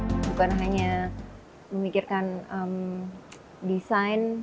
bukan hanya memikirkan desain